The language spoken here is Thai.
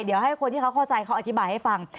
เดี๋ยวให้คนที่เขาเข้าใจเขาอธิบายให้ฟัง